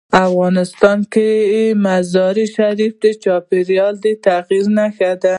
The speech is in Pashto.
افغانستان کې مزارشریف د چاپېریال د تغیر نښه ده.